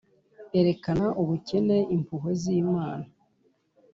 erekana ubukene impuhwe z'imana;